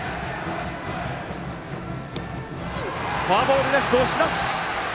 フォアボールで押し出し。